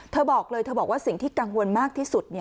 เธอบอกเลยเธอบอกว่าสิ่งที่กังวลมากที่สุด